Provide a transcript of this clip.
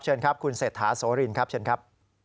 เชิญครับคุณเศรษฐาโสรินครับเชิญครับ